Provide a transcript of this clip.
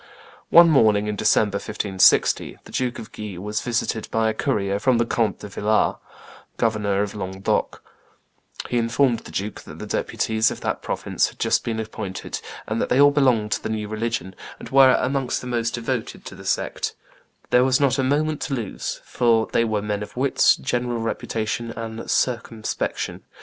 One morning in December, 1560, the Duke of Guise was visited by a courier from the Count de Villars, governor of Languedoc; he informed the duke that the deputies of that province had just been appointed, and that they all belonged to the new religion, and were amongst the most devoted to the sect; there was not a moment to lose, "for they were men of wits, great reputation, and circumspection.